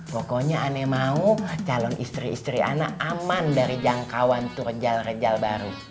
pokoknya aneh mau calon istri istri anak aman dari jangkauan terjal rejal baru